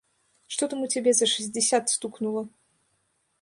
Што там у цябе за шэсцьдзесят стукнула?